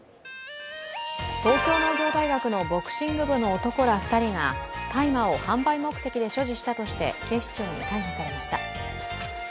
東京農業大学のボクシング部の男ら２人が大麻を販売目的で所持したとして警視庁に逮捕されました。